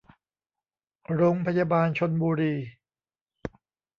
โรงพยาบาลชลบุรี